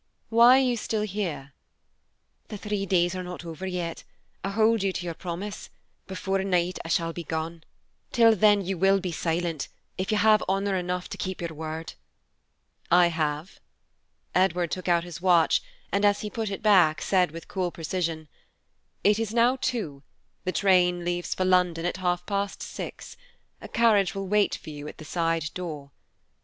Why are you still here?" "The three days are not over yet. I hold you to your promise. Before night I shall be gone; till then you will be silent, if you have honor enough to keep your word." "I have." Edward took out his watch and, as he put it back, said with cool precision, "It is now two, the train leaves for London at half past six; a carriage will wait for you at the side door.